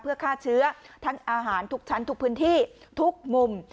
เพื่อฆ่าเชื้อทั้งอาหารทุกชั้นทุกพื้นที่ทุกมุม